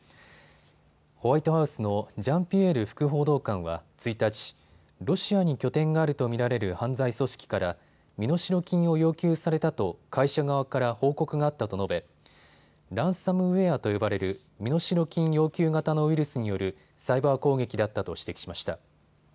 ホワイトハウスのジャンピエール副報道官は１日、ロシアに拠点があると見られる犯罪組織から身代金を要求されたと会社側から報告があったと述べランサムウエアと呼ばれる身代金要求型のウイルスによるサイバー攻撃だったと指摘しました。